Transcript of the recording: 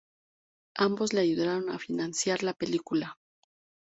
Ambos le ayudaron a financiar la película.